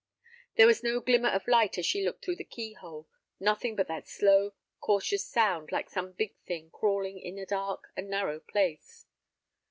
There was no glimmer of light as she looked through the key hole, nothing but that slow, cautious sound like some big thing crawling in a dark and narrow place.